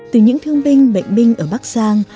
từ những thương binh bệnh binh ở bắc giang